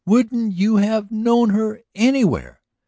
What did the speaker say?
Wouldn't you have known her anywhere?"